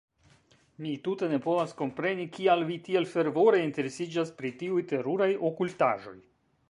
Mi tute ne povas kompreni, kial vi tiel fervore interesiĝas pri tiuj teruraj okultaĵoj.